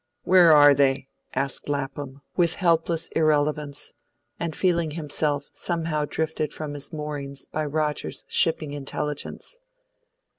"Where are they?" asked Lapham, with helpless irrelevance, and feeling himself somehow drifted from his moorings by Rogers's shipping intelligence.